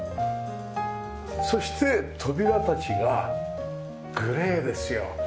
そして扉たちがグレーですよ。